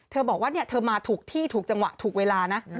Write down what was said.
บอกว่าเธอมาถูกที่ถูกจังหวะถูกเวลานะ